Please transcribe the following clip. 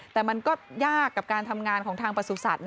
แต่มันก็ยากกับการทำงานของทางประสุทธิ์